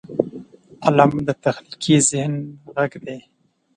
قلم د تخلیقي ذهن غږ دی